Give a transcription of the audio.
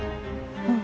うん。